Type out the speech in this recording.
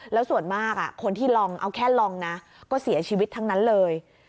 แล้วส่วนมากคนที่ลองเอาแค่ลองนะก็เสียชีวิตทั้งนั้นเลย